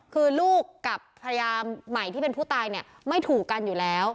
คือลูกกับภรรยาใหม่ที่เป็นผู้ตายเนี่ยไม่ถูกกันอยู่แล้ว